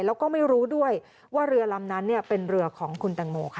แล้วก็ไม่รู้ด้วยว่าเรือลำนั้นเป็นเรือของคุณแตงโมค่ะ